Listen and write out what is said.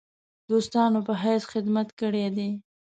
دوستانو په حیث خدمت کړی دی.